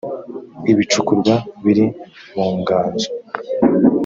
ibicukurwa biri mu nganzo